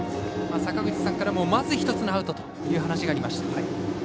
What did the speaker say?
坂口さんからもまず１つのアウトという話がありました。